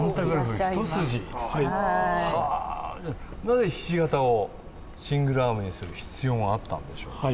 何でひし形をシングルアームにする必要があったんでしょうか。